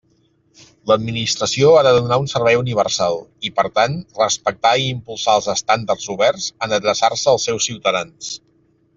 L'administració ha de donar un servei universal i, per tant, respectar i impulsar els estàndards oberts en adreçar-se als seus ciutadans.